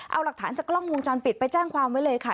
เอาหลักฐานจากกล้องวงจรปิดไปแจ้งความไว้เลยค่ะ